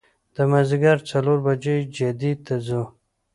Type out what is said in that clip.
د مازدیګر څلور بجې جدې ته ځو.